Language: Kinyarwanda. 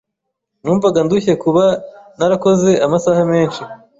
Numvaga ndushye kuba narakoze amasaha menshi.